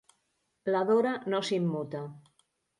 La Dora no s'immuta.